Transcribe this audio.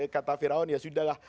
kata firawan ya sudah lah